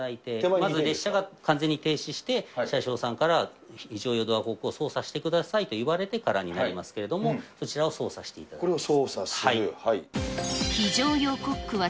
まず列車が完全に停止して、車掌さんから非常用ドアコックを操作してくださいといわれてからになりますけれども、こちらを操作していただくと。